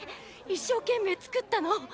一生懸命作ったの。